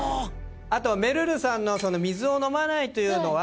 あとめるるさんの水を飲まないというのは。